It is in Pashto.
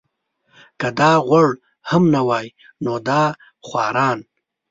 که دا غوړ هم نه وای نو دا خواران.